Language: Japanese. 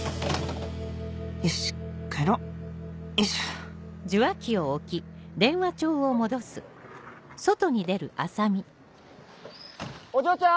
よし帰ろうよいしょお嬢ちゃん！